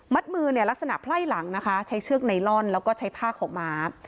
มัดมือลักษณะไพร่หลังใช้เชือกไนลอนแล้วก็ใช้ผ้าข่าวม้า